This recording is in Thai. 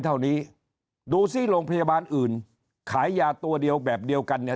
เท่านี้ดูซิโรงพยาบาลอื่นขายยาตัวเดียวแบบเดียวกันเนี่ย